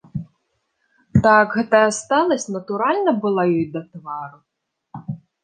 Так гэтая сталасць натуральна была ёй да твару.